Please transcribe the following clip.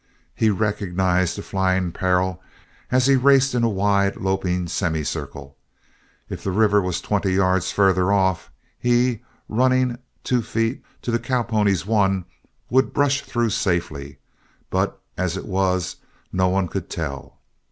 He recognized the flying peril as he raced in a wide loping semicircle. If the river were twenty yards further off he, running two feet to the cowpony's one, would brush through safely, but as it was no one could tell.